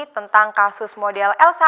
tentang kasus model elsa